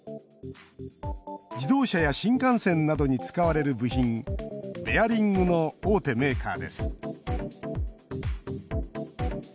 自動車や新幹線などに使われる部品、ベアリングの大手メーカーです。